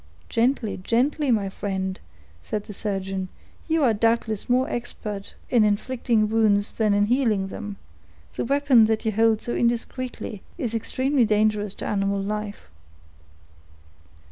"Gently—gently, my friend," said the surgeon. "You are doubtless more expert in inflicting wounds than in healing them; the weapon that you hold so indiscreetly is extremely dangerous to animal life."